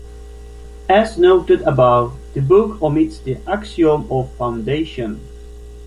As noted above, the book omits the Axiom of Foundation.